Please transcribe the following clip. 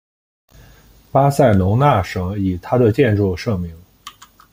巴塞隆纳省以它的建筑盛名。